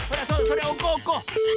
それおこうおこう。